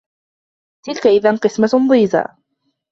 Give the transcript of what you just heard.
تِلكَ إِذًا قِسمَةٌ ضيزى